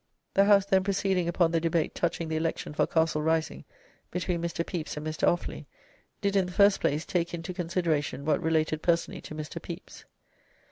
["The House then proceeding upon the debate touching the Election for Castle Rising, between Mr. Pepys and Mr. Offley, did, in the first place, take into consideration what related personally to Mr. Pepys.